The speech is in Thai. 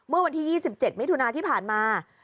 เมื่อวันที่๒๗มิถุนาที่ผ่านมา